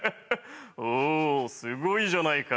おすごいじゃないか。